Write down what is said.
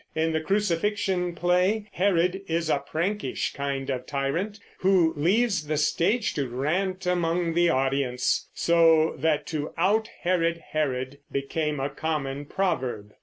In the Crucifixion play Herod is a prankish kind of tyrant who leaves the stage to rant among the audience; so that to "out herod Herod" became a common proverb.